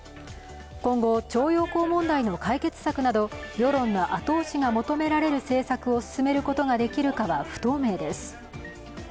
今後、徴用工問題の解決策など世論の後押しが求められる政策を進めることができるかは不透明です。